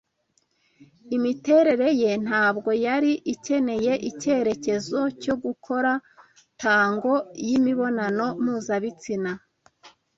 Imiterere ye ntabwo yari ikeneye icyerekezo cyo gukora tango yimibonano mpuzabitsina